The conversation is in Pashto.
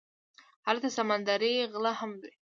هلته سمندري غله هم وي.